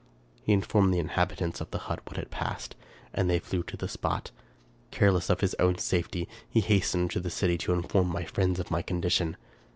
He informed the inhabitants of the hut of what had passed, and they flew to the spot. Careless of his own safety, he hasted to the city to inform my friends of my condition.